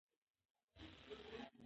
ما په تېرو دوو ساعتونو کې یوازې خوب کاوه.